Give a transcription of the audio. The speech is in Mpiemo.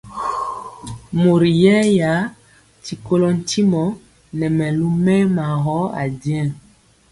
Mori yɛɛya ti kolɔ ntimɔ nɛ mɛlu mɛɛma gɔ ajeŋg.